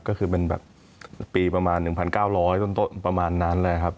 ก็คือเป็นแบบปีประมาณ๑๙๐๐ต้นประมาณนั้นเลยครับ